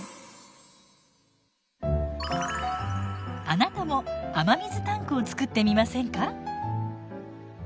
あなたも雨水タンクをつくってみませんか？